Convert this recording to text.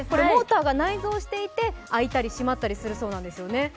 モーターが内蔵していて開いたり閉まったりするんですよね。